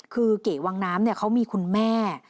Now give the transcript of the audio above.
คือเก๋วังน้ำเขามีคุณแม่